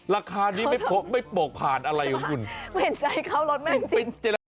ราคานี้ไม่โปะขาดอะไรไม่เห็นใจเขาลดไม่จริง